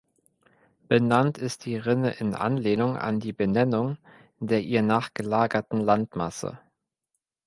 Benannt ist die Rinne in Anlehnung an die Benennung der ihr nachgelagerten Landmasse.